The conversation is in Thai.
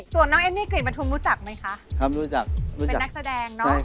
ส่วนน้องเอมี่กิมพะทุมรู้จักไหมคะ